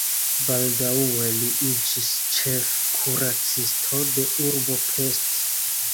Baldaŭe li iĝis ĉefkuracisto de urbo Pest.